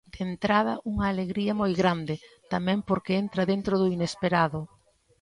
De entrada, unha alegría moi grande, tamén porque entra dentro do inesperado.